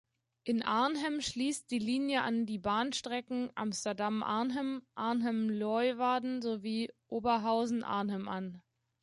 In Arnhem schließt die Linie an die Bahnstrecken Amsterdam–Arnhem, Arnhem–Leeuwarden sowie Oberhausen–Arnhem an.